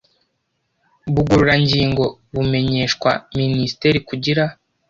bugororangingo bumenyeshwa minisiteri kugira